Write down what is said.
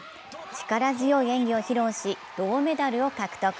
力強い演技を披露し、銅メダルを獲得。